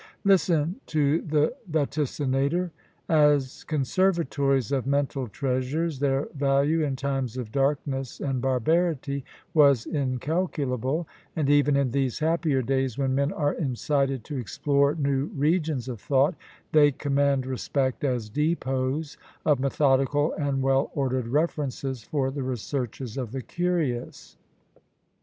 Listen to the vaticinator! "As conservatories of mental treasures, their value in times of darkness and barbarity was incalculable; and even in these happier days, when men are incited to explore new regions of thought, they command respect as depots of methodical and well ordered references for the researches of the curious.